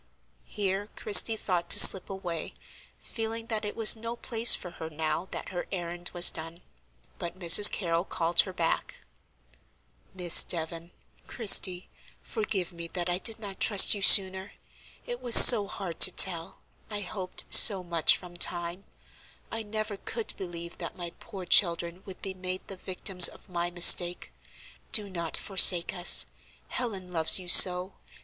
Here Christie thought to slip away, feeling that it was no place for her now that her errand was done. But Mrs. Carrol called her back. "Miss Devon—Christie—forgive me that I did not trust you sooner. It was so hard to tell; I hoped so much from time; I never could believe that my poor children would be made the victims of my mistake. Do not forsake us: Helen loves you so.